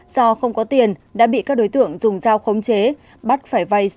do không đồng ý